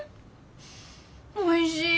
おいしい。